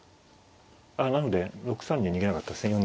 あなんで６三には逃げなかったですね。